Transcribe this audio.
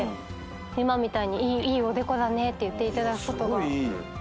今みたいに「いいおでこだね」って言っていただくことが。